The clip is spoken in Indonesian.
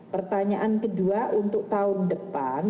pertanyaan kedua untuk tahun depan